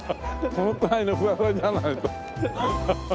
このぐらいのふわふわじゃないと。